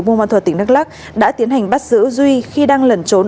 bùi văn thuật tỉnh đắk lắk đã tiến hành bắt giữ duy khi đang lẩn trốn